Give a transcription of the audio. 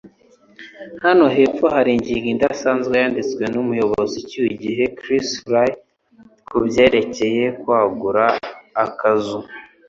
Hano hepfo hari ingingo idasanzwe yanditswe numuyobozi ucyuye igihe, Chris Fry kubyerekeye kwagura akazu.